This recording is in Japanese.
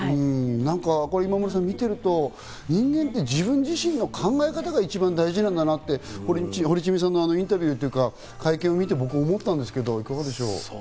今村さん、見ていると人間って自分自身の考え方が一番大事なんだなって、堀ちえみさんのあのインタビューというか、会見を見て、僕、思ったんですけど。